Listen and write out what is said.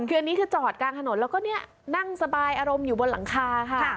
คืออันนี้คือจอดกลางถนนแล้วก็เนี่ยนั่งสบายอารมณ์อยู่บนหลังคาค่ะ